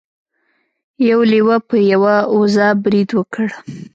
یو لیوه په یوه وزه برید وکړ.